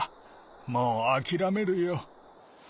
もうあきらめるよ。